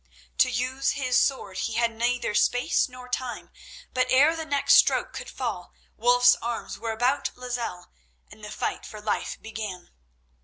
To use his sword he had neither space nor time, but ere the next stroke could fall Wulf's arms were about Lozelle, and the fight for life begun.